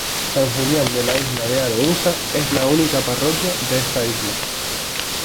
San Julián de la Isla de Arousa es la única parroquia de esta isla.